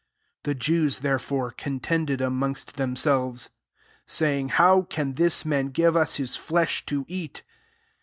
52 The Jews, therefore, con tended amongst themselves, saying, " How can this man give us his flesh to eat?"